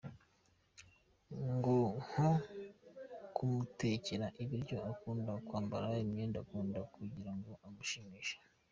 nko kumutekera ibiryo akunda, kwambara imyenda akunda kugirango amushimishe, .